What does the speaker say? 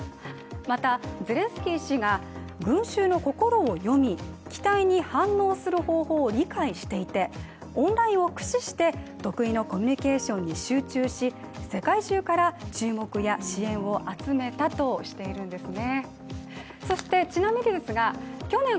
またゼレンスキー氏が群衆の心を読み期待に反応する方法を理解していてオンラインを駆使して得意のコミュニケーションに集中し世界中から注目や支援を集めたとしているんですね。